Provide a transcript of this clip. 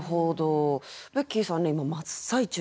ベッキーさんね今真っ最中ですよね